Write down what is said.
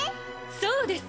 そうです